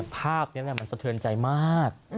ภาพนี้แหละมันสะเทือนใจมาก